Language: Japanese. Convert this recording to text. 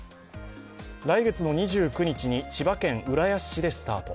来月２９日に千葉県浦安市でスタート。